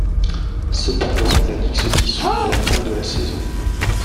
Cependant, la ligue se dissous à la fin de la saison.